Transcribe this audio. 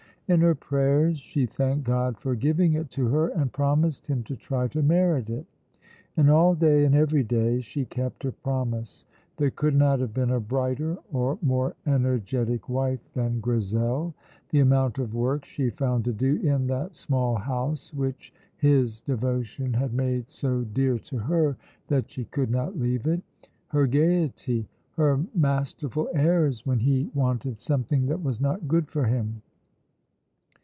In her prayers she thanked God for giving it to her, and promised Him to try to merit it; and all day and every day she kept her promise. There could not have been a brighter or more energetic wife than Grizel. The amount of work she found to do in that small house which his devotion had made so dear to her that she could not leave it! Her gaiety! Her masterful airs when he wanted something that was not good for him!